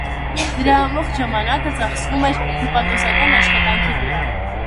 Նրա ամբողջ ժամանակը ծախսվում էր հյուպատոսական աշխատանքի վրա։